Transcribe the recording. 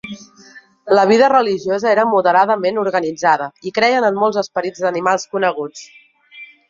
La vida religiosa era moderadament organitzada i creien en molts esperits d'animals coneguts.